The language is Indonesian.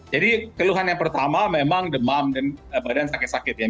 jadi keluhan yang pertama memang demam dan badan sakit sakit ya